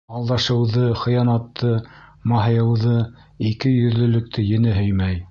Алдашыуҙы, хыянатты, маһайыуҙы, ике йөҙлөлөктө ене һөймәй.